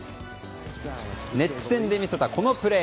ネッツ戦で見せたこのプレー。